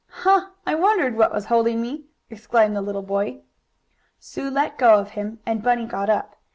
"Huh! I wondered what was holding me." exclaimed the little boy. Sue let go of him, and Bunny got up.